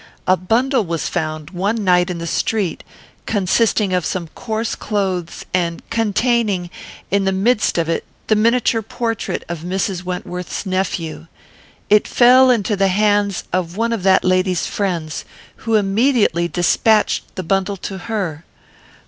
A bundle was found one night in the street, consisting of some coarse clothes, and containing, in the midst of it, the miniature portrait of Mrs. Wentworth's nephew. It fell into the hands of one of that lady's friends, who immediately despatched the bundle to her.